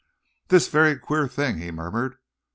"This very queer thing," he murmured.